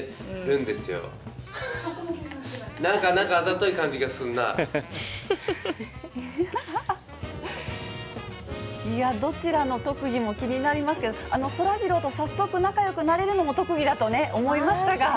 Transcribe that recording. なんか、あざとい感じがすんどちらの特技も気になりますけど、そらジローと早速、仲よくなれるのも特技だとね、思いましたが。